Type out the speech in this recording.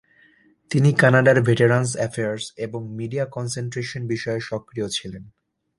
তিনি কানাডার Veterans Affairs এবং মিডিয়া কনসেনট্রেশন বিষয়ে সক্রিয় ছিলেন।